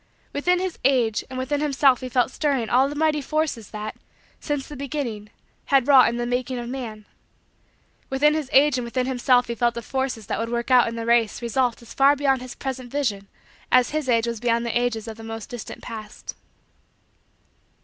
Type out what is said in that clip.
Within his age and within himself he felt stirring all the mighty forces that, since the beginning, had wrought in the making of man. Within his age and within himself he felt the forces that would work out in the race results as far beyond his present vision as his age was beyond the ages of the most distant past.